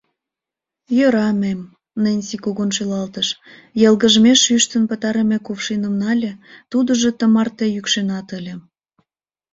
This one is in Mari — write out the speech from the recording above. — Йӧра, мэм, — Ненси кугун шӱлалтыш, йылгыжмеш ӱштын пытарыме кувшиным нале, тудыжо тымарте йӱкшенат ыле.